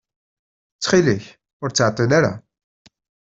Ttxil-k, ur ttɛeṭṭil ara.